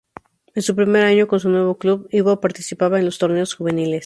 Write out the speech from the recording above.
En su primer año con su nuevo club, Ivo participaba en los torneos juveniles.